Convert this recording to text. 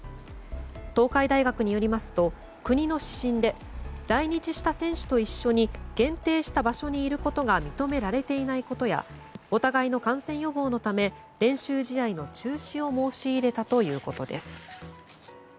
東海大学によりますと国の指針で来日した選手と一緒に限定した場所にいることが認められていないことやお互いの感染予防のため練習試合の中止を申し入れたということです。